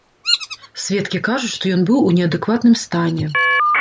Сведкі кажуць, што ён быў у неадэкватным стане.